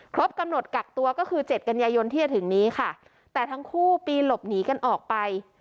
กำหนดกักตัวก็คือเจ็ดกันยายนที่จะถึงนี้ค่ะแต่ทั้งคู่ปีหลบหนีกันออกไป